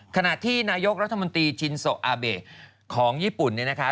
ขณะที่นายกรัฐมนตรีชินโซอาเบะของญี่ปุ่นเนี่ยนะคะ